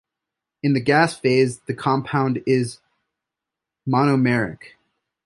In the gas phase the compound is monomeric.